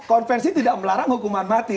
konversi tidak melarang hukuman mati